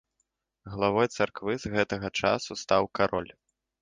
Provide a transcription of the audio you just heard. Главой царквы з гэтага часу стаў кароль.